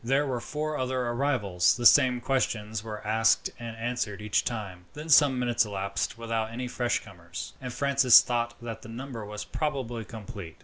There were four other arrivals. The same questions were asked and answered each time. Then some minutes elapsed without any fresh comers, and Francis thought that the number was probably complete.